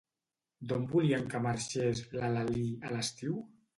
D'on volien que marxés, la Lalí, a l'estiu?